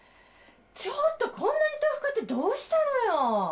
ちょっとこんなに豆腐買ってどうしたのよ？